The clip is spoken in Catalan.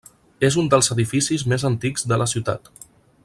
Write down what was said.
És un dels edificis més antics de la ciutat.